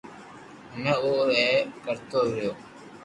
ھمي اون آ اي ڪرتو ريو